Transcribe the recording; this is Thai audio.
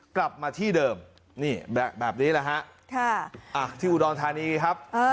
กลับมาที่เดิมนี่แบบนี้แหละฮะที่อุดรธานีครับ